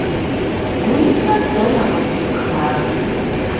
Уи сэр дэнэ къыздипхар?